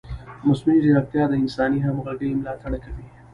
مصنوعي ځیرکتیا د انساني همغږۍ ملاتړ کوي.